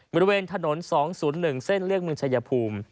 บริเวณถนน๒๐๑เส้นเลี่ยงเมืองชายภูมิ